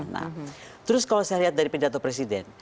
nah terus kalau saya lihat dari pidato presiden